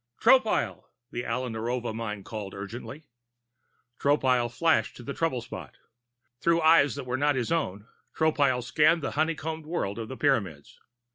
"Tropile!" the Alla Narova mind called urgently. Tropile flashed to the trouble spot. Through eyes that were not his own, Tropile scanned the honeycombed world of the Pyramids.